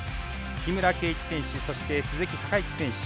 木村敬一選手そして鈴木孝幸選手